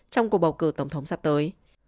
trong cuộc bầu cử tổng thống sắp tới